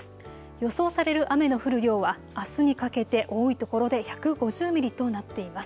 予想される雨の降る量はあすにかけて多いところで１５０ミリとなっています。